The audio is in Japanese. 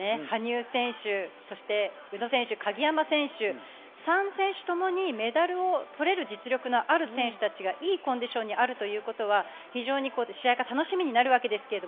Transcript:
羽生選手、宇野選手、鍵山選手、３選手ともにメダルを取れる実力のある選手たちがいいコンディションにあるということは非常に試合が楽しみになります。